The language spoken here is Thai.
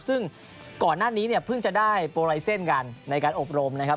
ซึ่งก่อนหน้านี้เนี่ยเพิ่งจะได้โปรไลเซ็นต์กันในการอบรมนะครับ